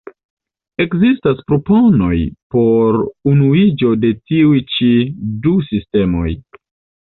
Ekzistas proponoj por unuiĝo de tiuj ĉi du sistemoj.